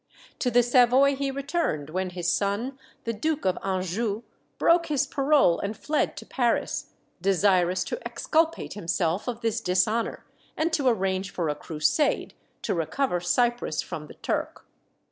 To the Savoy he returned when his son, the Duke of Anjou, broke his parole and fled to Paris, desirous to exculpate himself of this dishonour, and to arrange for a crusade to recover Cyprus from the Turk.